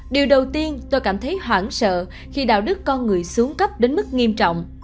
điều đầu tiên tôi cảm thấy hoảng sợ khi đạo đức con người xuống cấp đến mức nghiêm trọng